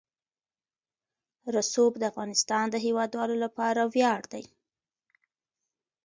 رسوب د افغانستان د هیوادوالو لپاره ویاړ دی.